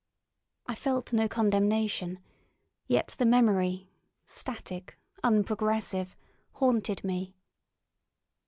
I felt no condemnation; yet the memory, static, unprogressive, haunted me.